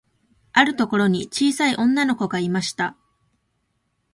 あるところに、ちいさい女の子がいました。